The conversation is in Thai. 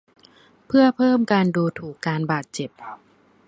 เพื่อเพิ่มการดูถูกการบาดเจ็บ